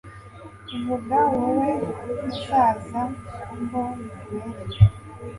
vuga wowe, musaza, kuko bikubereye